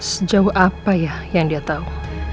sejauh apa ya yang dia tahu